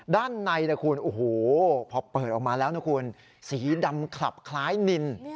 ด้านในพอเปิดออกมาแล้วสีดำขลับคล้ายนิน